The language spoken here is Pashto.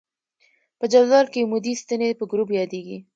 په جدول کې عمودي ستنې په ګروپ یادیږي.